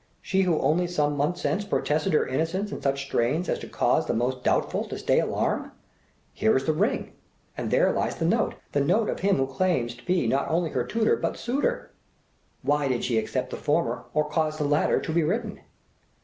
she who only some months since protested her innocence in such strains as to cause the most doubtful to stay alarm. Here is the ring, and there lies the note the note of him who claims to be not only her tutor but suitor. Why did she accept the former or cause the latter to be written?"